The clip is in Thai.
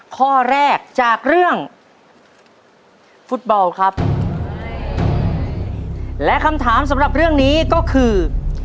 ข้อแรกจากเรื่องฟุตบอลครับและคำถามสำหรับเรื่องนี้ก็คือ